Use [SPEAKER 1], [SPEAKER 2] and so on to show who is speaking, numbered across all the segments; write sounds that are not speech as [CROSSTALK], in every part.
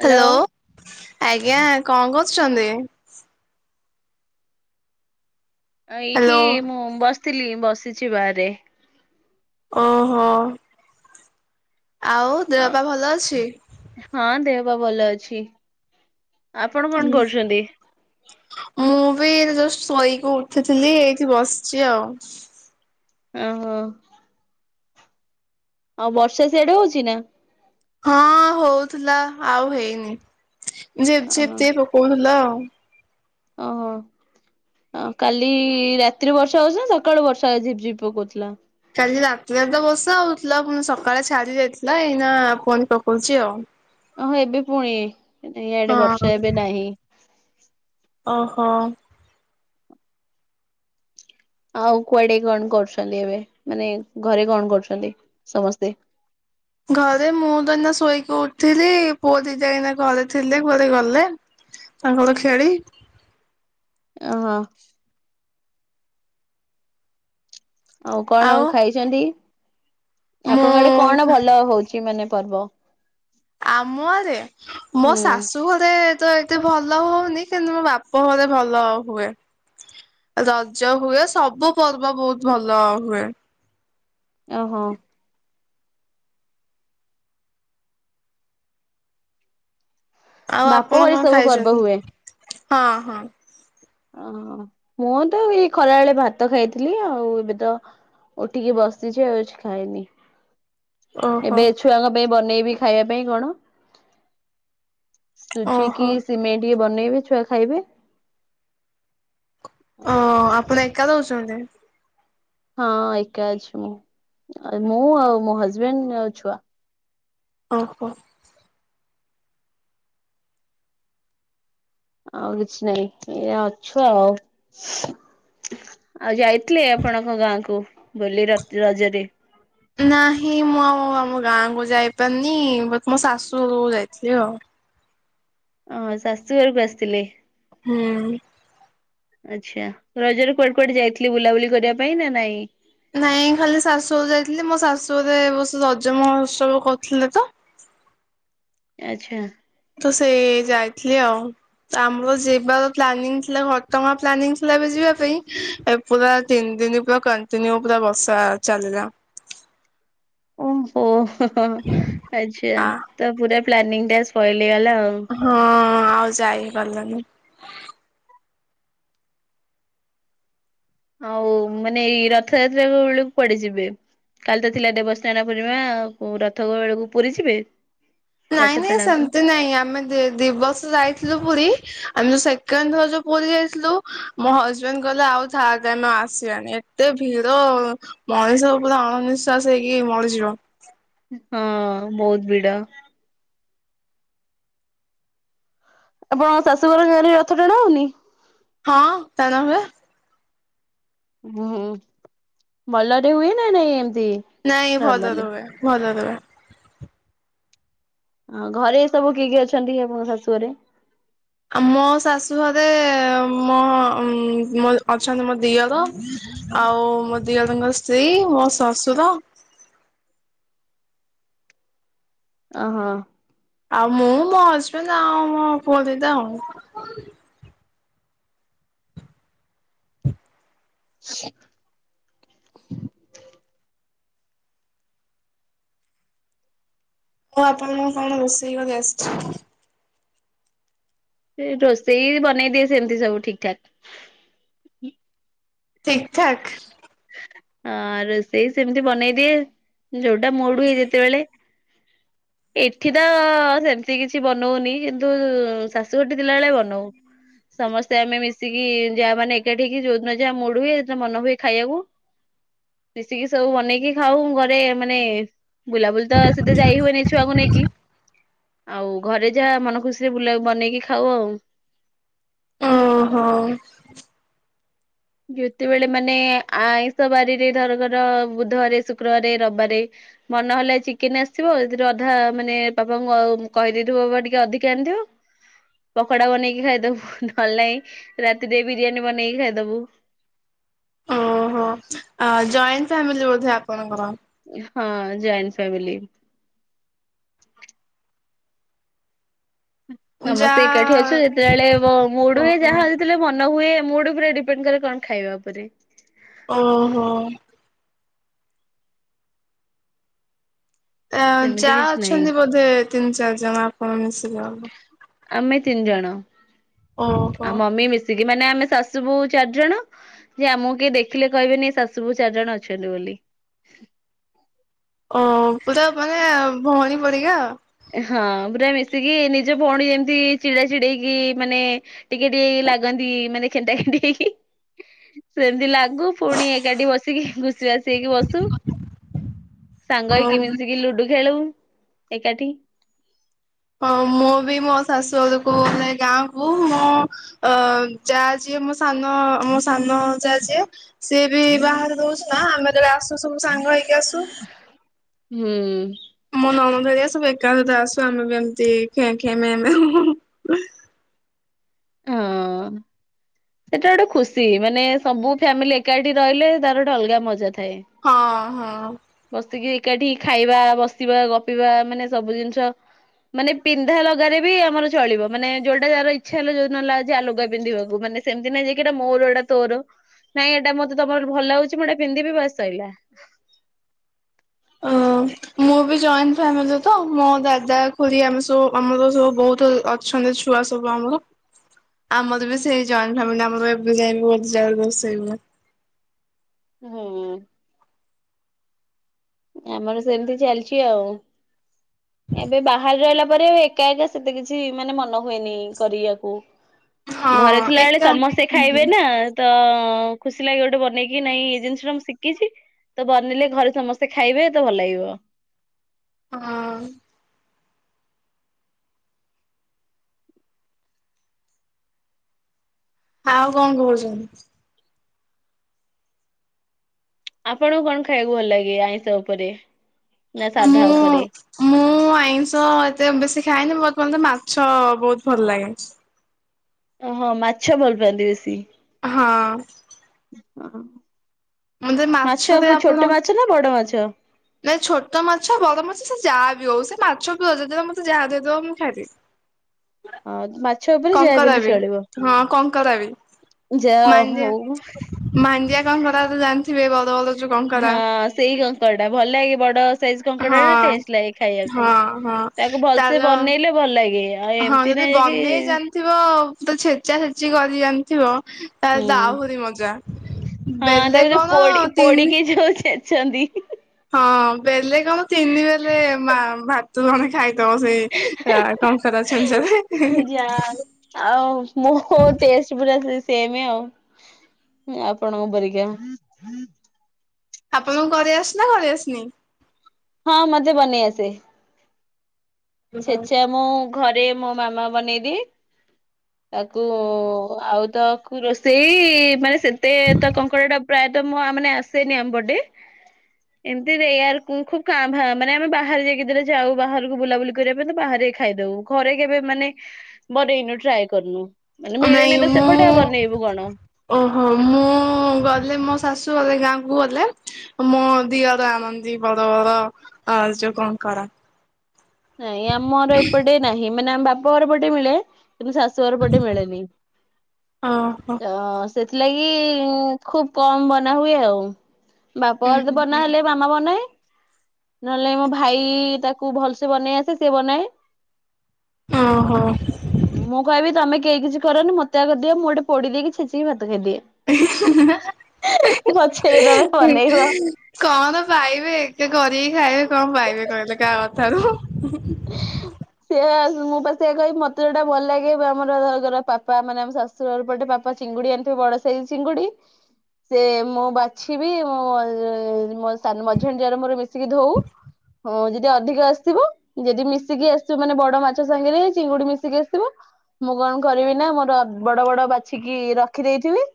[SPEAKER 1] Hello
[SPEAKER 2] hello ଆଜ୍ଞା କଣ କରୁଛନ୍ତି?
[SPEAKER 1] ଏଇଠି
[SPEAKER 2] ହ୍ୟାଲୋ
[SPEAKER 1] ମୁଁ ବସିଥିଲି ବସିଛି ବାହାରେ।
[SPEAKER 2] ଓହୋ। ଆଉ ଦେହ ବାପା ଭଲ ଅଛି?
[SPEAKER 1] ହଁ ଦେହପା ଭଲ ଅଛି ଆପଣ କଣ କରୁଛନ୍ତି?
[SPEAKER 2] ମୁଁ ବି ଶୋଇ କି ଉଠିଥିଲି ଏଇଠି ବସିଛି ଆଉ।
[SPEAKER 1] ଓହୋ। ଆଉ ବର୍ଷା ସେଆଡେ ହଉଛି ନା?
[SPEAKER 2] ହଁ ହଉଥିଲା ଆଉ ହେଇନି ଝିପି ଝିପି
[SPEAKER 1] ଓହୋ
[SPEAKER 2] ଟିକେ ପକଉଥିଲା ଆଉ।
[SPEAKER 1] ଓହୋ। କାଲି ରାତିରେ ବର୍ଷା ହଉଛି ନା ସକାଳୁ ବର୍ଷା ହଝିପି ଝିପି ପକଉଥିଲା?
[SPEAKER 2] କାଲି ରାତିରେ ତ ବର୍ଷା ହଉଥିଲା ପୁଣି ସକାଳେ ଛାଡ଼ି ଯାଇଥିଲା ଏଇନା ପୁଣି ପକଉଛି ଆଉ।
[SPEAKER 1] ଓହଁ ଏବେ ପୁଣି ଇଆଡେ
[SPEAKER 2] ହଁ
[SPEAKER 1] ବର୍ଷା ଏବେ ନାହିଁ।
[SPEAKER 2] ଅହ।
[SPEAKER 1] ଆଉ କୁଆଡେ କଣ କରୁଛନ୍ତି ଏବେ ମାନେ ଘରେ କଣ କରୁଛନ୍ତି ସମସ୍ତେ?
[SPEAKER 2] ଘରେ ମୁଁ ତ ଏଇନା ଶୋଇଲି ଉଠିଲି ପୁଅ ଦିଟା ଏଇନେ ଘରେ ଥିଲେ କୁଆଡେ ଗଲେ। ତାଙ୍କର ଖେଳି।
[SPEAKER 1] ଆ ହ। ଆଉ କଣ ଖାଇଚନ୍ତି ଆପଣଙ୍କ ଆଡେ କଣ
[SPEAKER 2] ମୁଁ
[SPEAKER 1] ଭଲ ହୋଉଚି ମାନେ ପର୍ବ?
[SPEAKER 2] ଆମ ଆଡେ ମୋ
[SPEAKER 1] ହୁଁ
[SPEAKER 2] ଶାଶୁ ଘରେ ତ ଏତେ ଭଲ ହୋଉନି କିନ୍ତୁ ମୋ ବାପ ଘରେ ଭଲ ହୁଏ। ରଜ ହୁଏ ସବୁ ପର୍ବ ବୋହୁତ ଭଲ ହୁଏ।
[SPEAKER 1] ଓ ହୋ।
[SPEAKER 2] ଆଉ
[SPEAKER 1] ବାପ
[SPEAKER 2] ଆପଣ
[SPEAKER 1] ଘରେ
[SPEAKER 2] କଣ
[SPEAKER 1] ସବୁ ପର୍ବ
[SPEAKER 2] ଖାଇଚନ୍ତି
[SPEAKER 1] ହୁଏ।
[SPEAKER 2] ହଁ ହଁ।
[SPEAKER 1] ଅହ ମୁଁ ତ ଏଇ ଖରାବେଳେ ଭାତ ଖାଇଥିଲି ଆଉ ଏବେ ତ ଉଠିକି ବସିଛି ଆଉ କିଛି ଖାଇନି।
[SPEAKER 2] ଓହୋ
[SPEAKER 1] ଏବେ ଛୁଆଙ୍କ ପାଇଁ ବନେଇବି ଖାଇବା ପାଇଁ କଣ। ସୁଝି
[SPEAKER 2] ଓହୋ
[SPEAKER 1] କି ସିମେଇ ଟିକେ ବନେଇବି ଛୁଆ ଖାଇବେ। ହୁ
[SPEAKER 2] ଓ
[SPEAKER 1] [INAUDIBLE]
[SPEAKER 2] ଆପଣ ଏକା ରଉଚନ୍ତି?
[SPEAKER 1] ହଁ ଏକା ଅଛି ମୁଁ ଆ ମୁଁ ଆଉ ମୋ ହଜବେଣ୍ଡ ଆଉ ଛୁଆ।
[SPEAKER 2] ଓହୋ।
[SPEAKER 1] ଆଉ କିଛି ନାଇଁ ଏୟା ଅଛୁ ଆଉ ଆଉ ଆଜି ଥିଲେ ଆପଣଙ୍କ ଗାଁ କୁ ହୋଲି ରଯ ରଜରେ?
[SPEAKER 2] ନାହିଁ ମୁଁ ଆଉ ଆମ ଗାଁ କୁ ଯାଇପାରୁିନି ବ ମୋ ଶାଶୂ ଘର କୁ ଯାଇଥିଲି ଆଉ।
[SPEAKER 1] ଅଁ ଶାଶୁ ଘରକୁ ଆସିଥିଲେ?
[SPEAKER 2] ହୁଁ।
[SPEAKER 1] ଆଚ୍ଛା ରଜରେ କୁଆଡ କୁଆଡେ ଯାଇଥିଲେ ବୁଲାବୁଲି କରିବା ପାଇଁ ନା ନାଇଁ?
[SPEAKER 2] ନାଇଁ ଖାଲି ଶାଶୁ ଅରୁ ଯାଇଥିଲି ମୋ ଶାଶୁଅରେ ଏ ବର୍ଷ ରଜ ମହୋତ୍ସବ କରୁଥିଲେ ତ
[SPEAKER 1] ଆଚ୍ଛା।
[SPEAKER 2] ତ ସେଇ ଯାଇଥିଲି ଆଉ। ଆମର ଯିବାର ପ୍ଲାନିଂ ଥିଲା ଘଟଗାଁ ପ୍ଲାନିଂ ଥିଲା ଏବେ ଯିବା ପାଇଁ ପୁରା ତିନି ଦିନ ପୁରା କଣ୍ଟିନ୍ୟୁ ପୁରା ବର୍ଷା ଚାଲିଲା।
[SPEAKER 1] ଓହୋ ହୋ ହୋ ହୋ ଆଚ୍ଛା
[SPEAKER 2] ଆ
[SPEAKER 1] ତ ପୁରା ପ୍ଲାନିଂ ଟା ସ୍ପଏଲ୍ ହେଇଗଲା ଆଉ।
[SPEAKER 2] ହଁ ଆଉ ଯାଇ ହେଇ ପାରିଲାନି।
[SPEAKER 1] ଆଉ ମାନେ ଏଇ ରଥଯାତ୍ରା ବେକୁକୁ କୁଆଡେ ଯିବେ? କାଲି ତ ଥିଲା ଦେବସ୍ନାନ ପୂର୍ଣିମା ଆଉ ରଥ ଗଳକୁ ପୁରୀ ଯିବେ? ରଥ
[SPEAKER 2] ନାଇଁ ନାଇଁ
[SPEAKER 1] ଟଣାକୁ
[SPEAKER 2] ସେମତି ନାଇଁ ଆମେ ଦେ ଦିବସ୍ ଯାଇଥିଲୁ ପୁରୀ ଆମେ ଯୋଉ ସେକେଣ୍ଡ ଥର ଯୋଉ ପୁରୀ ଯାଇଥିଲୁ ମୋ ହଜବେଣ୍ଡ କହିଲେ ଆଉ ଥାଡ୍ ଟାଇମ ଆଉ ଆସିବାନି। ଏତେ ଭିଡ ମଣିଷ ପୁରା ଅଣନିଶ୍ଵାସ ହେଇକି ମରିଯିବ।
[SPEAKER 1] ହଁ ବହୁତ ଭିଡ। ଆପଣଙ୍କ ଶାଶୁ ଘର ଗାଁରେ ରଥ ଟଣା ହଉନି।
[SPEAKER 2] ହଁ ଟଣା ହୁଏ।
[SPEAKER 1] ହୁଁ ହୁଁ। ଭଲରେ ହୁଏ ନା ନାଇଁ ଏମତି?
[SPEAKER 2] ନାଇଁ ଭଲ ରେ ହୁଏ। ଭଲ ରେ ହୁଏ।
[SPEAKER 1] ହଁ ଘରେ ସବୁ କିଏ କିଏ ଅଛନ୍ତି ଆପଣଙ୍କ ଶାଶୁ ଘରେ?
[SPEAKER 2] ଆମ ଶାଶୁ ଘରେ ମୋ ମୋ ଅଛନ୍ତି ମୋ ଦିଅର ଆଉ ମୋ ଦିଅରଙ୍କ ସ୍ତ୍ରୀ ମୋ ଶଶୁର
[SPEAKER 1] ଅ ହଁ।
[SPEAKER 2] ଆଉ ମୁଁ ମୋ ହଜବେଣ୍ଡ ଆଉ ମୋ ପୁଅ ଦିଟା ଆଉ।
[SPEAKER 1] [INAUDIBLE]
[SPEAKER 2] ହଉ ଆପଣଙ୍କୁ କଣ ରୋଷେଇ କରି ଆସିଚି?
[SPEAKER 1] ସେ ରୋଷେଇ ବନେଇ ଦିଏ ସେମତି ସବୁ ଠିକ୍ ଠାକ୍।
[SPEAKER 2] ଠିକ୍ ଠାକ୍।
[SPEAKER 1] ଆ ରୋଷେଇ ସେମିତି ବନେଇଦିଏ ଯୋଉଟା ମୁଡ୍ ହୁଏ ଯେତେବେଳେ। ଏଠି ତ ସେମତି କିଛି ବନଉନି କିନ୍ତୁ ଶାଶୁଘର ଠି ଥିଲା ବେଳେ ବନଉ। ସମସ୍ତେ ଆମେ ମିଶିକି ଜା ମାନେ ଏକାଠି ହେଇକି ଯୋଉଦିନ ଯାହା ମୁଡ୍ ହୁଏ ସେଦିନ ମନ ହୁଏ ଖାଇବାକୁ। ମିଶିକି ସବୁ ବନେଇକି ଖାଉ ଘରେ। ମାନେ ବୁଲାବୁଲି ତ ସେତେ ଯାଇ ହୁଏନି। ଛୁଆକୁ ନେଇକି ଆଉ ଘରେ ଯାହା ମନ ଖୁସିରେ ବୁଲା ବନେଇକି ଖାଉ ଆଉ।
[SPEAKER 2] ଓହୋ।
[SPEAKER 1] ଯେତେବେଳେ ମାନେ ଆଇଁଷ ବାରିରେ ଧରକର ବୁଧବାରେ ଶୁକ୍ରବାରେ ରବିବାରେ ମନ ହେଲା ଚିକେନ ଆସିଥିବ ସେଥିରେ ଅଧା ମାନେ ବାପାଙ୍କୁ କହିଦେଇଥିବ ବାପା ଟିକେ ଅଧିକା ଆଣିଥିବ। ପକୋଡା ବନେଇକି ଖାଇଦବୁ। ନହେଲେ ନାହିଁ ରାତିରେ ବିରିୟାନୀ ବନେଇକି ଖାଇଦବୁ।
[SPEAKER 2] ଓହୋ। ଜଏଣ୍ଟ ଫ୍ୟାମିଲି ବୋଧେ ଆପଣଙ୍କର?
[SPEAKER 1] ହଁ ଜଏଣ୍ଟ ଫ୍ୟାମିଲି।
[SPEAKER 2] ଯା
[SPEAKER 1] ସମସ୍ତେ ଏକାଠି ଅଛୁ ଯେତେବେଳେ ମୋ ମୁଡ ହୁଏ
[SPEAKER 2] ଓହୋ
[SPEAKER 1] ଯାହା ହେଲେ ମନ ହୁଏ ମୁଡ଼୍ ଉପରେ ଡିପେଣ୍ଡ କରେ କଣ ଖାଇବା ଉପରେ।
[SPEAKER 2] ଓହୋ। ଆ
[SPEAKER 1] ସେମିତି
[SPEAKER 2] ଯା
[SPEAKER 1] କିଛି ନାହିଁ
[SPEAKER 2] ଅଛନ୍ତି ବୋଧେ ତିନି ଚାରି ଜଣ ଆପଣ ମିଶିକି ହବ।
[SPEAKER 1] ଆମେ ତିନି ଜଣ।
[SPEAKER 2] ଓହୋ
[SPEAKER 1] ଆଉ ମମି ମିଶିକି ମାନେ ଆମେ ଶାଶୁ ବହୂ ଚାରି ଜଣ। ଯେ ଆମକୁ କିଏ ଦେଖିଲେ କହିବେନି ଏ ଶାଶୁ ବୋହୁ ଚାରି ଜଣ ଅଛନ୍ତି ବୋଲି।
[SPEAKER 2] ଓ ପୁରାମାନେ ଭଉଣୀ ପରିକା।
[SPEAKER 1] ହଁ ପୁରା ମିଶିକି ନିଜ ଭଉଣୀ ଯେମତି ଚିଡା ଚିଡେଇକି ମାନେ ଟିକେ ଟିକେ ଲାଗନ୍ତି ମାନେ ଖେଣ୍ଟା ଖେଣ୍ଟି ହେଇକି ସେମତି ଲାଗୁ ପୁଣି ଏକାଠି ବସିକି ଖୁସି ବାସି ହେଇକି ବସ ସୁ। ସାଙ୍ଗ
[SPEAKER 2] ହଁ
[SPEAKER 1] ହେଇକି ମିଶିକି ଲୁଡୁ ଖେଳୁ ଏକାଠି।
[SPEAKER 2] ହଁ ମୁଁ ବି ମୋ ଶାଶୁ ଘରକୁ ମାନେ ଗାଁକୁ ମୁଁ ଅ ଜା ଯିଏ ମୋ ସାନ ମୋ ସାନ ଜା ଯିଏ ସିଏ ବି ବାହାରେ ରହୁଚି ନା। ଆମେ ଯେତେବେଳେ ଆସୁ ସବୁ ସାଙ୍ଗ ହେଇକି ଆସୁ।
[SPEAKER 1] ହୁଁ।
[SPEAKER 2] ମୋ ନଣନ୍ଦ ହେରିକା ସବୁ ଏକାସହିତ ଆସୁ ଆମେ ବି ଏମିତି ଖେଁ ଖେଁ ମେଁ ମେଁ ହେଉ।
[SPEAKER 1] ହଁ। ସେଟା ଗୋଟେ ଖୁସି ମାନେ ସବୁ ଫ୍ୟାମିଲି ଏକାଠି ରହିଲେ ତାର ଗୋଟେ ଅଲଗା ମଜା ଥାଏ।
[SPEAKER 2] ହଁ ହଁ।
[SPEAKER 1] ବସିକି ଏକାଠି ଖାଇବା ବସିବା ଗପିବା ମାନେ ସବୁ ଜିନିଷ ମାନେ ପିନ୍ଧା ଲଗାରେ ବି ଆମର ଚଳିବ। ମାନେ ଯୋଉଟା ଯାର ଇଚ୍ଛା ହେଲା ଯୋଉ ନ ଲାଗ ଆ ଲୁଗା ପିନ୍ଧିବାକୁ ମାନେ ସେମିତି ନାଇକି ଯେ ଏଟା ମୋର ଏଟା ତୋର ନାଇଁ ଏଇଟା ମତେ ତମର ଭଲ ହଉଛି ମୁଁ ଏଟା ପିନ୍ଧି ଦେବି ବାସ୍ ସଇଲା।
[SPEAKER 2] ଅ ମୁଁ ବି ଜଏଣ୍ଟ ଫ୍ୟାମିଲି ତ ମୋ ଦାଦା ଖୁଡ଼ି ଆମେ ସବୁ ଆମର ତ ସବୁ ବହୁତ ଅଛନ୍ତି ଛୁଆ ସବୁ ଆମର। ଆମର ବି ସେଇ ଜଏଣ୍ଟ ଫ୍ୟାମିଲି ଆମର ଏବେ ଯାଏଁ ବି ଗୋଟେ ଜାଗାରେ ରଷେଇ ହୁଏ।
[SPEAKER 1] ହୁଁ ଆମର ସେମିତି ଚାଲିଛି ଆଉ ଏବେ ବାହାରେ ରହିଲା ପରେ ଏକା ଏକା ସେତେ କିଛି ମାନେ ମନ ହୁଏନି କରିବାକୁ
[SPEAKER 2] ହଁ
[SPEAKER 1] ଘରେ ଥିଲା ବେଳେ
[SPEAKER 2] ଏକା
[SPEAKER 1] ସମସ୍ତେ ଖାଇବେ
[SPEAKER 2] ହୁଁ।
[SPEAKER 1] ନା ତ ଖୁସି ଲାଗେ ଗୋଟେ ବନେଇକି ନାଇଁ ଏଇ ଜିନିଷ ଟା ମୁଁ ଶିଖିଛି ତ ବନେଇଲେ ଘରେ ସମସ୍ତେ ସେ ଖାଇବେ ତ ଭଲ ଲାଗିବ।
[SPEAKER 2] ହଁ ଆଉ କଣ କରୁଛନ୍ତି?
[SPEAKER 1] ଆପଣଙ୍କୁ କଣ ଖାଇବାକୁ ଭଲ ଲାଗେ ଆଇଁଷ ଉପରେ ନା ସାଧା
[SPEAKER 2] ମୁଁ
[SPEAKER 1] ଉପରେ?
[SPEAKER 2] ମୁଁ ଆଇଁଷ ଏତେ ବେଶୀ ଖାଏନି ବଟ ମତେ ମାଛ ବହୁତ ଭଲ ଲାଗେ।
[SPEAKER 1] ଓହୋ ମାଛ ଭଲ ପାଆନ୍ତି ବେଶୀ।
[SPEAKER 2] ହଁ ମତେ
[SPEAKER 1] ମାଛ
[SPEAKER 2] ମାଛରେ ଆପଣ
[SPEAKER 1] ଛୋଟ ମାଛ ନା ବଡ ମାଛ?
[SPEAKER 2] ନାଇଁ ଛୋଟ ମାଛ ବଡ ମାଛ ସେ ଯାହା ବି ହଉ ସେ ମାଛ ବି ହଉ ଯେତେବେଳେ ମତେ ଯାହା ଦେଇଦବ ମୁଁ ଖାଇଦବି।
[SPEAKER 1] ହଁ ମାଛ ଉପରେ ଯାହା ବି
[SPEAKER 2] କଙ୍କରା
[SPEAKER 1] ହେଲେ ଚଳିବ।
[SPEAKER 2] ହଁ କଙ୍କରା ବି।
[SPEAKER 1] ଯା
[SPEAKER 2] ମାଣ୍ଡିଆ
[SPEAKER 1] ହୋଉଁ।
[SPEAKER 2] ମାଣ୍ଡିଆ କଙ୍କରା ତ ଜାଣିଥିବେ ବଡ଼ ବଡ଼
[SPEAKER 1] ହଁ ସେଇ କଙ୍କଡ଼ା ଟା ଭଲ ଲାଗେ ବଡ଼ ସାଇଜ କଙ୍କଡାା
[SPEAKER 2] ହଁ
[SPEAKER 1] ଟେଷ୍ଟ ଲାଗେ ଖାଇବାକୁ
[SPEAKER 2] ହଁ ହଁ
[SPEAKER 1] ତାକୁ ଭଲସ
[SPEAKER 2] ତାର
[SPEAKER 1] ବନେଇଲେ ଭଲ ଲାଗେ। ଆଉ ଏମିତି ନାଇଁ କି
[SPEAKER 2] ଥିବ ତ ଛେଚା ଛେଚି କରିମି ଥିବ ତାେଲେ
[SPEAKER 1] ହୁଁ।
[SPEAKER 2] ଆହୁରି ମଜା ବେଲେ କଣ ତିନି
[SPEAKER 1] ଯାଉଚେ ଛନ୍ତି।
[SPEAKER 2] ହଁ ବେଲେ କଣ ତିନି ବେଲେ ମା ଭା ତ ଜଣେ ଖାଇଦବ ସେଇ କଙ୍କରା ଛେଚା ରେ
[SPEAKER 1] ଯା ହଉ। ଆଉ ମୋ ଟେ ସେମ ଆଉ ଆପଣଙ୍କ ପରିକା
[SPEAKER 2] ଆପଣଙ୍କୁ କରି ଆସେନା କରି ଆସେନି?
[SPEAKER 1] ହଁ ମତେ ବନେଇ ଆସେ। ଛେଚା ମୁଁ ଘରେ ମୋ ମାମା ବନେଇଦିଏ। ତାକୁ ଆଉ ତାକୁ ରୋଷେଇ ମାନେ ସେତେ ତା କଙ୍କଡ଼ା ଟା ପ୍ରାୟତଃ ମ ମାନେ ଆସେନି ଆମ ପଟେ
[SPEAKER 2] ହ
[SPEAKER 1] ଏମିତିୟ ଖୁବ କା ମାନେ ଆମେ ବାହାରେ ଯାଇକିରେ ଯାଉ ବାହାରକୁ ବୁଲାବୁଲି କରିବା ପାଇଁ ତ ବାହାରେ ଖାଇଦଉ। ଘରେ କେବେ ମାନେ ବନେଇନୁ ଟ୍ରାଏ କରନୁ ମାନେ
[SPEAKER 2] ନାଇଁ
[SPEAKER 1] ମିଳେନି ତ ସେପଟେ
[SPEAKER 2] ମୁଁ
[SPEAKER 1] ଆଉ ବନେଇବୁ କଣ।
[SPEAKER 2] ଓହୋ ମୁଁ ଗଲେ ମୋ ଶାଶୁ ଗଲେ ଗାଁ କୁ ଗଲେ ମୋ ଦିଅର ଆଣନ୍ତି ବଡ଼ ବଡ଼ ଅ ଯୋଉଁ କଙ୍କଡ଼ା।
[SPEAKER 1] ନାଇଁ ଆମର ଏପଟେ ନାହିଁ ମାନେ ଆମ ବାପା ଘର ଏପଟେ ମିଳେ। ଶାଶୁ ଘର ପଟେ ମିଳେନି
[SPEAKER 2] ଓହୋ।
[SPEAKER 1] ତ ସେଥିଲାଗି ଖୁବ କମ ବନା ହୁଏ ଆଉ ବାପର ବନା ହେଲେ ବଏ ନହେଲେ ମୋ ଭାଇ ତାକୁ ଭଲ ବନେଇ ଆସେ ସେ ବନାଏ।
[SPEAKER 2] ଓହୋ
[SPEAKER 1] ହ ମୁଁ କହିବି ତମେ କେହି କିଛି କରନ ମୋତେ ଆଗ ଦିଅ ମୁଁ ଗୋଟେ ପୋଡ଼ି ଦେଇକି ଛେଚିକି ଭାତ ଖାଇଦିଏ। ପଛେରେ ତମେ ବନେଇବ।
[SPEAKER 2] କଣ ତ ପାଇବେ ଏକେ କରିକି ଖାଇବେ କଣ ପାଇବେ କହିଲେ କାହା କଥାରୁ। [INAUDIBLE]
[SPEAKER 1] ସେ ମୁଁ ପାସ କହିବି ମତେଟା ଭଲ ଲାଗେ ଆମର ଧରର ପାପା ମାନେ ଆମ ଶା ପଟେ ବାପା ଚିଙ୍ଗୁଡି ଆଣିଥିବେ ବଡ ସୋଇ ଚିଙ୍ଗୁଡି। ସେ ମୁଁ ବାଛିବି ମୁଁୋ [UNINTELLIGIBLE] ମଝିାଣି ଯରେ ମୋର ମିଶିକି ଧଉଁ ଯଦି ଅଧିକ ଆସଥିବ। ଯଦି ମିଶିକି ଆସିବ ମାନେ ବଡ ମାଛ ସାଙ୍ଗରେ ଚିଙ୍ଗୁଡି ମିଶିକି ଆସିବ। ମୁଁ କଣ କରିବି ନା ମୋର ବଡ ବଡ ବାଛିକି ରଖିଦେଇଥିଲି।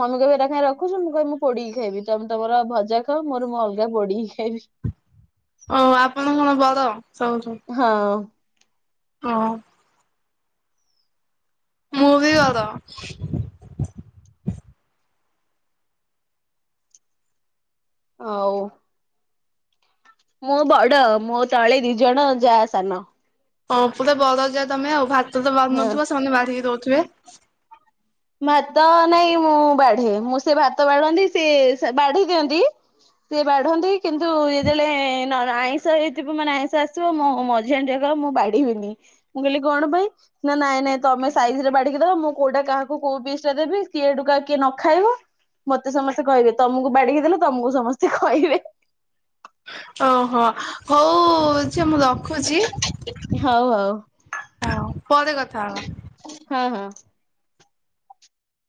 [SPEAKER 1] ମମି କିବି ଏଟା ଖାଇଁ ରଖୁ ମୁଁ କହିବ ମୁ ପୋଡି ଖାଇବି ତମ ତମର ଭଜା ଖାଅ, ମୋର ମୁଁ ଅଲଗା ପଡିକି ଖାଇବି।
[SPEAKER 2] ଓ ଆପଣ କଣ ବଡ ଶବୁଠୁ?
[SPEAKER 1] ହଁ।
[SPEAKER 2] ହଁ। ମୁଁ ଭି ବଡ଼।
[SPEAKER 1] ହଉ। ମୁଁ ବଡ ମୋ ତଳେ ଦିଜଣ ଯାହା ସାନ।
[SPEAKER 2] ହଁ ପୁରା ବଦ ଯାଏ ତମେ ଆଉ ଭାତ ତ ବ
[SPEAKER 1] ହଁ
[SPEAKER 2] ନଥିବ ସେମାନେ ବାହାରିକି ଦଉଥିବେ।
[SPEAKER 1] ଭାତ ନାଇଁ ମୁଁ ବାଢେ ମୁଁ ସେ ଭାତ ବାଢନ୍ତି ସେ ବାଢେଇ ଦିଅନ୍ତି। ସେ ବାଢନ୍ତି କିନ୍ତୁ ଯେତେବେଳେ ଆଇଁଷ ହେଇଥିବ ମାନେ ଆଇଁଷ ଆସିବ ମୁଁ ମଜା ଅ ଜାଗ [UNINTELLIGIBLE] ମୁଁ ବାଡିବିନି। ମୁଁ କହିଲି କଣ ପାଇଁ? ନା ନାଇଁ ନାଇଁ ତମେ ସାଇଜ ରେ ବାଡିକି ମୁଁ କୋଉଟା କାହା ତୁ କୋଉ ବିିଷୟରେ ବି କିଏ ସେଠୁ କାଳେ ନ ଖାଇବ। ମତେ ସମସ୍ତେ କହିବେ ତମକୁ ବାଡି ହେଇଦେଲେ ତମକୁ ସମସ୍ତେ କହିବେ।
[SPEAKER 2] ଓହୋ ହଉ ସେ ମୁଁ ରଖୁଛି [UNINTELLIGIBLE]
[SPEAKER 1] ହଉ ହଉ
[SPEAKER 2] ହଉ ପରେ କଥା ହବା।
[SPEAKER 1] ହଁ ହଁ।